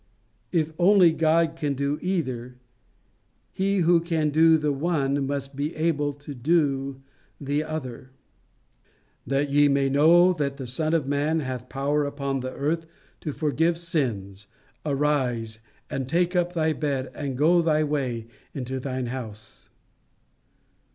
If only God can do either, he who can do the one must be able to do the other. "That ye may know that the Son of man hath power upon earth to forgive sins Arise, and take up thy bed, and go thy way into thine house."